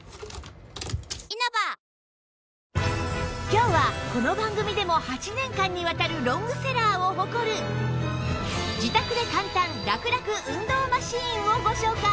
今日はこの番組でも８年間にわたるロングセラーを誇る自宅で簡単ラクラク運動マシンをご紹介